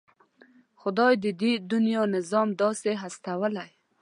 خدای د دې دنيا نظام داسې هستولی.